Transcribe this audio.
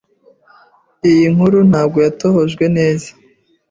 Iyi nkuru ntabwo yatohojwe neza